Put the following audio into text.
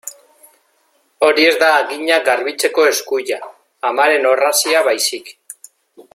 Hori ez da haginak garbitzeko eskuila, amaren orrazia baizik.